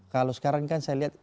kalau sekarang kan saya lihat